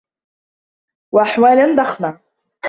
وَأَحْوَالًا ضَخْمَةً